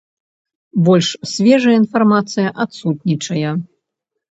Больш свежая інфармацыя адсутнічае.